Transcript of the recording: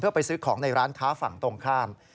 ไปซื้อของในร้านค้าฝั่งตรงข้าม